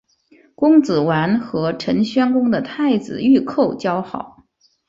公子完和陈宣公的太子御寇交好。